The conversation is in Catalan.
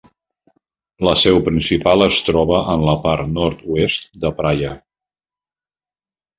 La seu principal es troba en la part nord-oest de Praia.